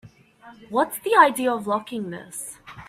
What's the idea of locking this?